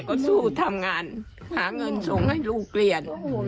ก็อยู่บ้านไม่เคยไปไม่เคยอะไรเลย